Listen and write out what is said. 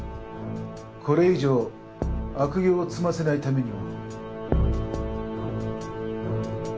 これ以上悪行を積ませないためにも。